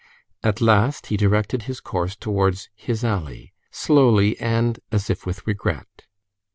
At last he directed his course towards "his alley," slowly, and as if with regret.